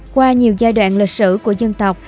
qua nhiều giai đoạn lịch sử của dân tộc